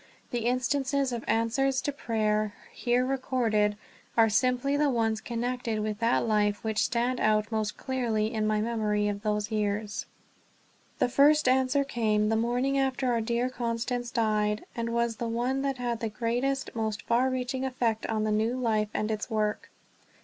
The instances of answers to prayer, here recorded, are simply the ones connected with that life which stand out most clearly in my memory of those years. The first answer came the morning after our dear Constance died, and was the one that had the greatest, most far reaching effect on the new life and its work.